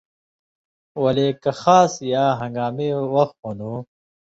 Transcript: ولے کہ خاص یا ہن٘گامی وَخ ہُون٘دُوں